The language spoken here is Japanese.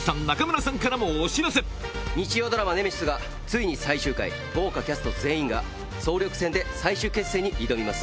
日曜ドラマ『ネメシス』がついに最終回豪華キャスト全員が総力戦で最終決戦に挑みます。